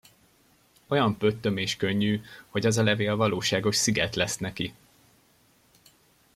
Olyan, pöttöm és könnyű, hogy az a levél valóságos sziget lesz neki.